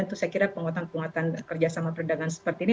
itu saya kira penguatan penguatan kerjasama perdagangan seperti ini